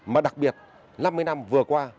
mà đặc biệt năm mươi năm vừa qua